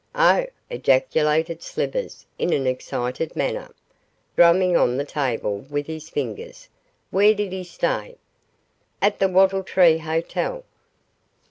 'Oh!' ejaculated Slivers, in an excited manner, drumming on the table with his fingers, 'where did he stay?' 'At the Wattle Tree Hotel.